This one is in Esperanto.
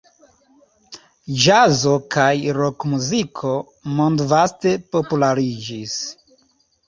Ĵazo kaj rokmuziko mondvaste populariĝis.